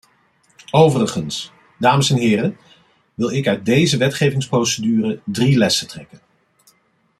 Overigens, dames en heren, wil ik uit deze wetgevingsprocedure drie lessen trekken.